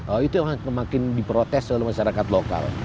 oh itu yang makin diprotes oleh masyarakat lokal